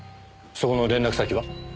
そこの連絡先は？